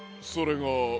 それが。